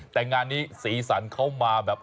แต่งานนี้สีสันเขามาแบบ